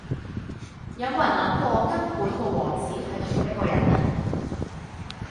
有冇人諗過根本個王子系同一個人呢?